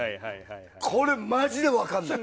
これマジで分かんない。